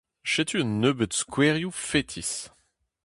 Setu un nebeud skouerioù fetis.